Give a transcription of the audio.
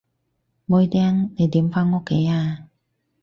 妹釘，你點返屋企啊？